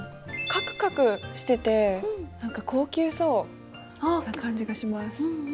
カクカクしてて何か高級そうな感じがします。